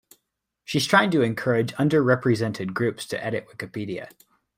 She's trying to encourage underrepresented groups to edit Wikipedia